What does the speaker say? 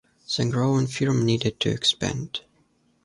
The growing firm needed to expand.